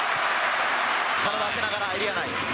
体当てながらエリア内。